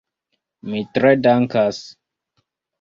Mi tre dankas.